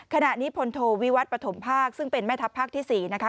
ขณะนี้พลโทวิวัตรปฐมภาคซึ่งเป็นแม่ทัพภาคที่๔นะคะ